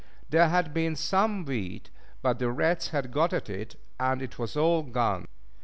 There had been some wheat, but the rats had got at it, and it was all gone.